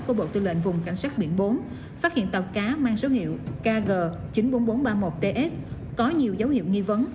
của bộ tư lệnh vùng cảnh sát biển bốn phát hiện tàu cá mang số hiệu kg chín mươi bốn nghìn bốn trăm ba mươi một ts có nhiều dấu hiệu nghi vấn